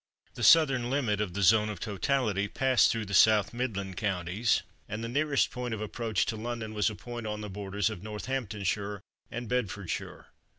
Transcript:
The southern limit of the zone of totality passed through the South Midland counties, and the nearest point of approach to London was a point on the borders of Northamptonshire and Bedfordshire.